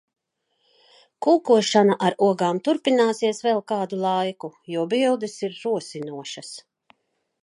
Kūkošana ar ogām turpināsies vēl kādu laiku, jo bildes ir rosinošas.